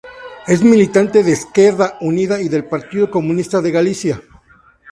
Es militante de Esquerda Unida y del Partido Comunista de Galicia.